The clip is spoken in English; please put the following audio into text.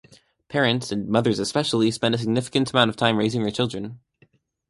Parents and mothers especially spend a significant amount of time raising their children.